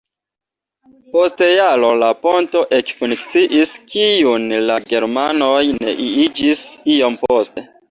Post jaro la ponto ekfunkciis, kiun la germanoj neniigis iom poste.